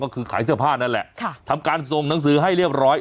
ก็คือขายเสื้อผ้านั่นแหละทำการส่งหนังสือให้เรียบร้อย